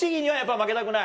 負けたくない。